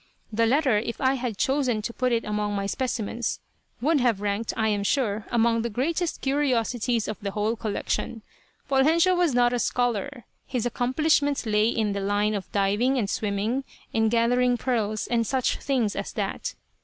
The letter, if I had chosen to put it among my specimens, would have ranked, I am sure, among the greatest curiosities of the whole collection. Poljensio was not a scholar. His accomplishments lay in the line of diving and swimming; in gathering pearls, and such things as that.